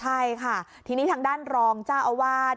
ใช่ค่ะทีนี้ทางด้านรองเจ้าอาวาส